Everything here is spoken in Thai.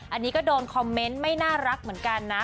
อันนี้ก็โดนคอมเมนต์ไม่น่ารักเหมือนกันนะ